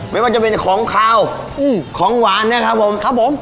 ไม่ว่าจะเป็นของข้าวอืมของหวานนะครับผม